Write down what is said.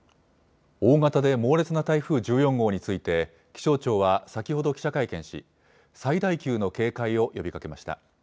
大型で猛烈な台風１４号について気象庁は先ほど記者会見し最大級の警戒を呼びかけました。